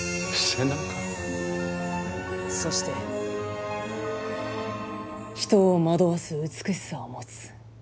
そして人を惑わす美しさを持つ。